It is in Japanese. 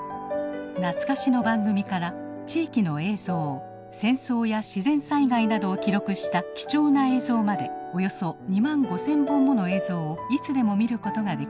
懐かしの番組から地域の映像戦争や自然災害などを記録した貴重な映像までおよそ２万５，０００本もの映像をいつでも見ることができます。